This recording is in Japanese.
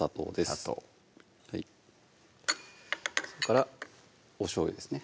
砂糖それからおしょうゆですね